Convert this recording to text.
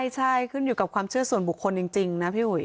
ใช่ขึ้นอยู่กับความเชื่อส่วนบุคคลจริงนะพี่อุ๋ย